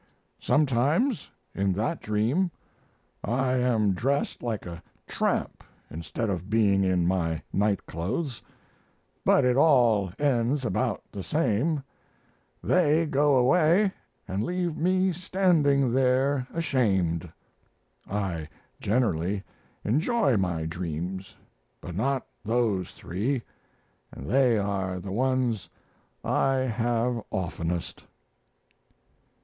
Sometimes, in that dream, I am dressed like a tramp instead of being in my night clothes; but it all ends about the same they go away and leave me standing there, ashamed. I generally enjoy my dreams, but not those three, and they are the ones I have oftenest."